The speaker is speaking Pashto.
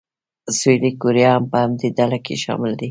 سویلي کوریا هم په همدې ډله کې شامل دی.